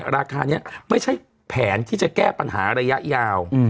ราคานี้ไม่ใช่แผนที่จะแก้ปัญหาระยะยาว